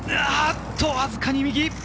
わずかに右。